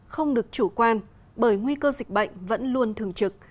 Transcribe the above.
không được chủ quan bởi nguy cơ dịch bệnh vẫn luôn thường trực